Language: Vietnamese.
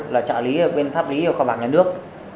là trợ lý bên pháp lý khoa bạc nhà nước